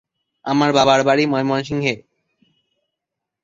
আমার বাবার বাড়ি ময়মনসিংহে।